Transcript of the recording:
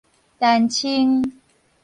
丹青